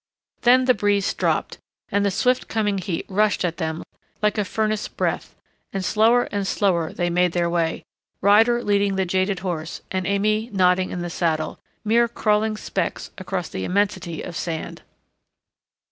Then the breeze dropped, and the swift coming heat rushed at them like a furnace breath, and slower and slower they made their way, Ryder leading the jaded horse and Aimée nodding in the saddle, mere crawling specks across the immensity of sand.